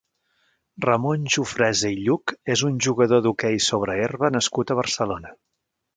Ramon Jufresa i Lluch és un jugador d'hoquei sobre herba nascut a Barcelona.